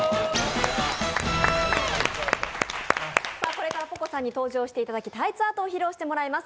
これから歩子さんに登場していただきタイツアートを披露していただきます。